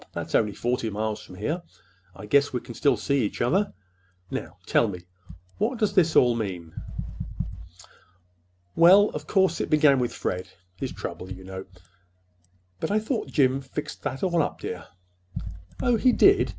That's only forty miles from here. I guess we can still see each other. Now, tell me, what does all this mean?" "Well, of course, it began with Fred—his trouble, you know." "But I thought Jim fixed that all up, dear." "Oh, he did.